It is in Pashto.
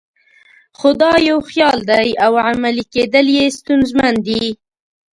خو دا یو خیال دی او عملي کېدل یې ستونزمن دي.